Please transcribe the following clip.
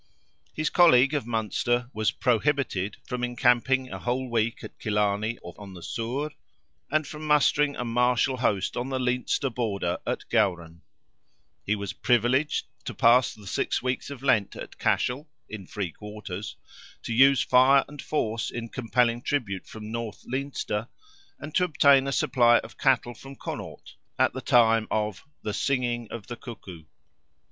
His colleague of Munster was "prohibited" from encamping a whole week at Killarney or on the Suir, and from mustering a martial host on the Leinster border at Gowran; he was "privileged" to pass the six weeks of Lent at Cashel (in free quarters), to use fire and force in compelling tribute from north Leinster; and to obtain a supply of cattle from Connaught, at the time "of the singing of the cuckoo."